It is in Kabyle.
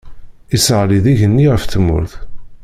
Iseɣḍel-d igenni ɣef tmurt.